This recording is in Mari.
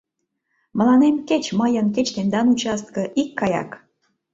Мыланем кеч мыйын, кеч тендан участке — икгаяк.